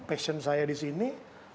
passion saya disini